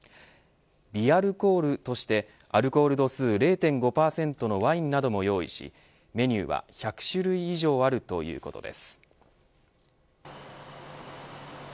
微アルコールとしてアルコール度数０．５％のワインなども用意しメニューは１００種類以上あるということです。